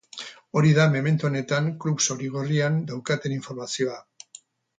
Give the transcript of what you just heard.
Hori da memento honetan klub zuri-gorrian daukaten informazioa.